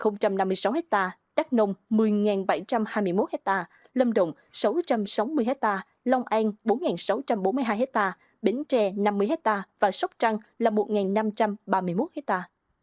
lâm động năm mươi sáu ha đắk nông một mươi bảy trăm hai mươi một ha lâm động sáu trăm sáu mươi ha long an bốn sáu trăm bốn mươi hai ha bỉnh tre năm mươi ha và sóc trăng một năm trăm ba mươi một ha